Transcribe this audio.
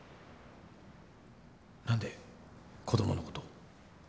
何で子供のこと。